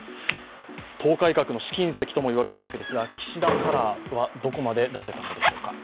党改革の試金石とも言われるわけですが、岸田カラーはどこまで出せたのでしょうか。